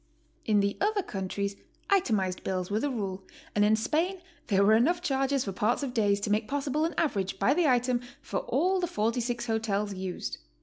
In the other countries itemized bills were the rule, and in Spain there were enough charges for parts of days to make possible an average by the item for all the 46 hotels used.